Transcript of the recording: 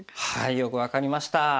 よく分かりました。